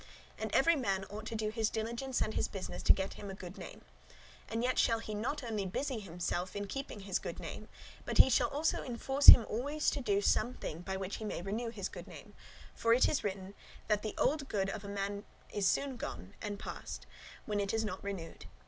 And every man ought to do his diligence and his business to get him a good name. And yet [further] shall he not only busy him in keeping his good name, but he shall also enforce him alway to do some thing by which he may renew his good name; for it is written, that the old good los [reputation <5>] of a man is soon gone and passed, when it is not renewed.